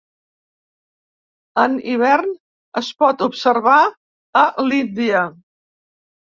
En hivern es pot observar a l'Índia.